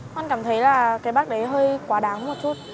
con cảm thấy là cái bác đấy hơi quá đáng một chút